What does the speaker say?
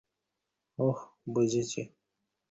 ওহ, বুঝেছি।